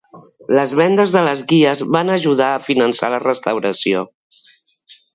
Les vendes de les guies van ajudar a finançar la restauració.